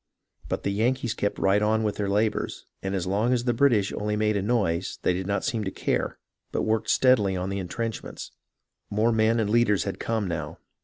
But the Yankees kept right on with their labours, and as long as the British only made a noise they did not seem to care, but worked steadily on the intrenchments. More men and leaders had come now.